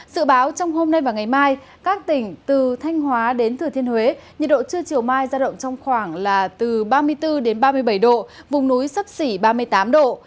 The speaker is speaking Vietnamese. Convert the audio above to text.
sự báo trong hôm nay và ngày mai các tỉnh từ thanh hóa đến thừa thiên huế nhiệt độ trưa chiều mai ra động trong khoảng là từ ba mươi bốn ba mươi bảy độ vùng núi sắp xỉ ba mươi tám độ